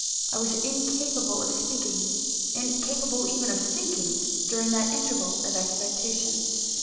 I was incapable of speaking incapable even of thinking during that interval of expectation.